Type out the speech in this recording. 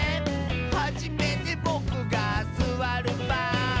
「はじめてボクがすわるばん」